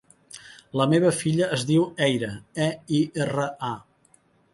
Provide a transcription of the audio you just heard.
La meva filla es diu Eira: e, i, erra, a.